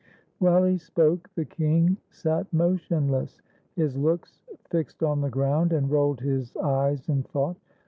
While he spoke, the king Sat motionless, his looks fixed on the ground, And rolled his eyes in thought.